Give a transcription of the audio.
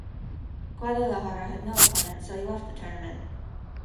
Guadalajara had no opponent so he left the tournament.